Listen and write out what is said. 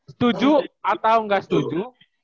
setuju atau gak setuju